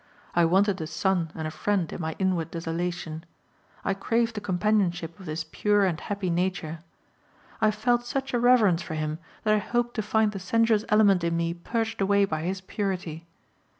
I wanted a son and a friend in my inward desolation. I craved the companionship of this pure and happy nature. I felt such a reverence for him that I hoped to find the sensuous element in me purged away by his purity.